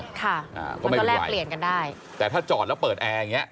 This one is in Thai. ค่ะอ่าก็แลกเปลี่ยนกันได้แต่ถ้าจอดแล้วเปิดแอร์อย่างเงี้